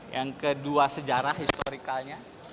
yang kedua sejarah historikalnya